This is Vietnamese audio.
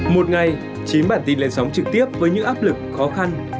một ngày chín bản tin lên sóng trực tiếp với những áp lực khó khăn